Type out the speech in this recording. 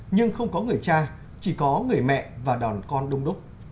nhưng không có người cha chỉ có người mẹ và đòn con đông đúc